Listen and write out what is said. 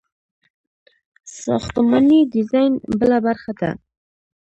ساختماني ډیزاین بله برخه ده.